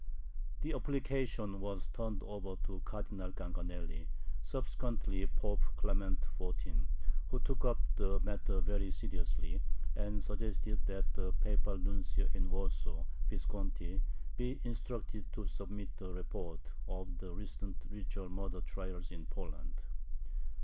The application was turned over to Cardinal Ganganelli, subsequently Pope Clement XIV., who took up the matter very seriously, and suggested that the Papal Nuncio in Warsaw, Visconti, be instructed to submit a report of the recent ritual murder trials in Poland.